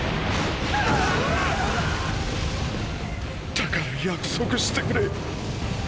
だから約束してくれ。